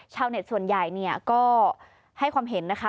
ชาวเน็ตส่วนใหญ่เนี่ยก็ให้ความเห็นนะคะ